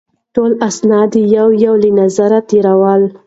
ټول اسناد یې یو یو له نظره تېرول.